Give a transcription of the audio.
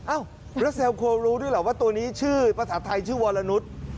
รัสเซลโครู้ด้วยเหรอว่าตัวนี้ชื่อภาษาไทยชื่อวรนุษย์